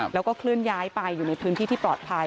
แล้วก็เคลื่อนย้ายไปอยู่ในพื้นที่ที่ปลอดภัย